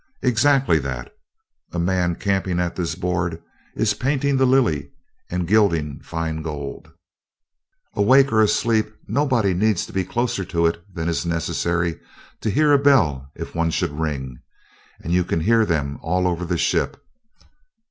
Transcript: "Exactly that. A man camping at this board is painting the lily and gilding fine gold. Awake or asleep nobody need be closer to it than is necessary to hear a bell if one should ring, and you can hear them all over the ship.